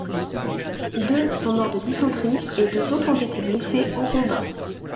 Deux sont morts de dysenterie et deux autres ont été blessés en combat.